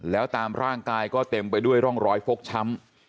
แล้วตามร่างกายก็เต็มไปด้วยร่องรอยฟกช้ำ